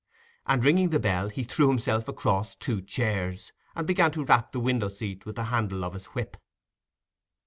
And ringing the bell, he threw himself across two chairs, and began to rap the window seat with the handle of his whip.